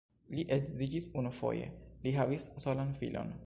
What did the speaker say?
Li edziĝis unufoje, li havis solan filon.